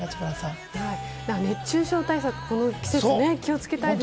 熱中症対策、この時期、気をつけたいですよね。